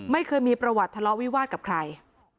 ไม่เคยมีประวัติทะเลาะวิวาสกับใคร